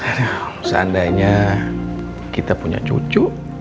nah seandainya kita punya cucu